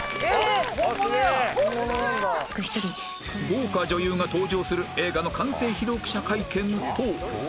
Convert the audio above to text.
豪華女優が登場する映画の完成披露記者会見と